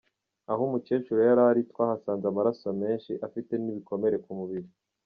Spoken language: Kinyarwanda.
Aho umukecuru yari ari twahasanze amaraso menshi, afite n’ibikomere ku mubiri.